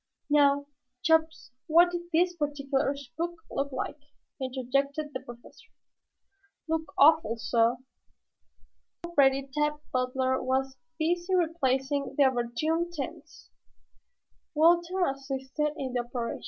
"Now, Chops, what did this particular spook look like?" interjected the Professor. "Look awful, sah!" Already Tad Butler was busy replacing the overturned tents. Walter assisted in the operation.